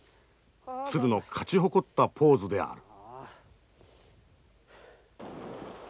鶴の勝ち誇ったポーズである。